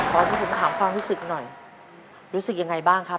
ขอให้ผมถามความรู้สึกหน่อยรู้สึกยังไงบ้างครับ